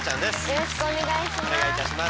よろしくお願いします。